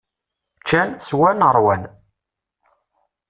Ččan, swan, ṛwan.